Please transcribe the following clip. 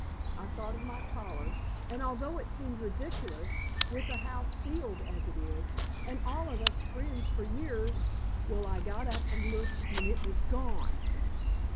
I thought of my collar, and although it seemed ridiculous, with the house sealed as it is, and all of us friends for years well, I got up and looked, and it was gone!"